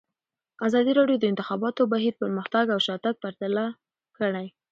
ازادي راډیو د د انتخاباتو بهیر پرمختګ او شاتګ پرتله کړی.